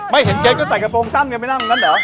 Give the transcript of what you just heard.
ไม่เห็นเกรดก็ใส่กระโปรงสั้นกันไปนั่งนั่นเหรอ